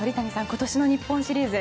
今年の日本シリーズ